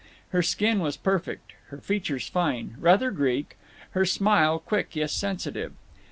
Her skin was perfect; her features fine, rather Greek; her smile, quick yet sensitive.